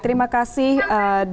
terimakasih punya siemens